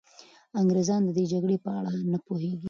انګریزان د دې جګړې په اړه نه پوهېږي.